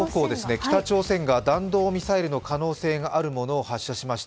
北朝鮮が弾道ミサイルの可能性があるものを発射しました。